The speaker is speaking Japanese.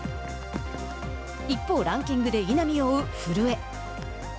一方ランキングで稲見を追う古江。